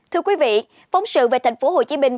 thưa quý vị phóng sự về thành phố hồ chí minh